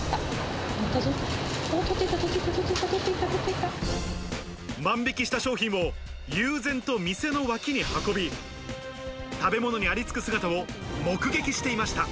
おー、取っていった、万引きした商品を悠然と店の脇に運び、食べ物にありつく姿を目撃していました。